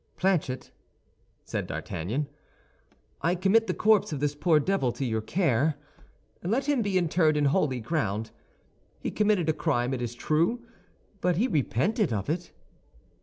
"Planchet," said D'Artagnan, "I commit the corpse of this poor devil to your care. Let him be interred in holy ground. He committed a crime, it is true; but he repented of it."